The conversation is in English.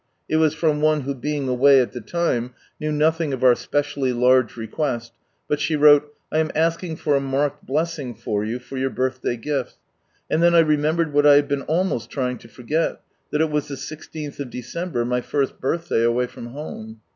It was from one who, being away at the time, knew nothing of our specially large request ; but she wrote :—" I am asking for a marked blessing for you for your birthday gift," and then I rememljered what I had been almost trying to forget, that it was the i6th of December, my first birthday away from home.